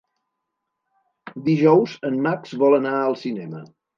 Dijous en Max vol anar al cinema.